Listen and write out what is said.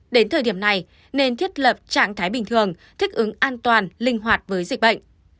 đến thời điểm này nên thiết lập trạng thái bình thường thích ứng an toàn linh hoạt với dịch bệnh